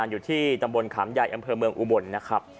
อยู่ที่ตำบลขามใหญ่อำเภอเมืองอุบลนะครับ